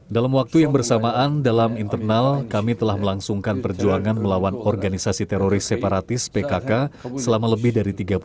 dalam waktu yang bersamaan dalam internal kami telah melangsungkan perjuangan melawan organisasi teroris separatis pkk selama lebih dari tiga puluh tahun